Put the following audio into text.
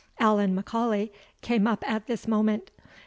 Allan M'Aulay came up at this moment.